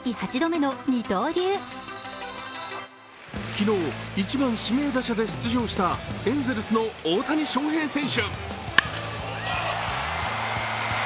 昨日、１番・指名打者で出場したエンゼルスの大谷翔平選手。